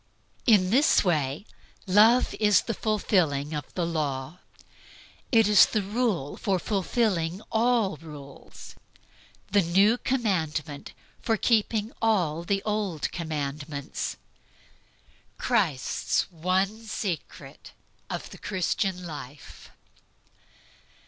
In this way "Love is the fulfilling of the law." It is the rule for fulfilling all rules, the new commandment for keeping all the old commandments, Christ's one SECRET OF THE CHRISTIAN LIFE.